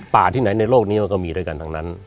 ที่ไหนในโลกนี้มันก็มีด้วยกันทั้งนั้น